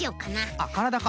あっからだか。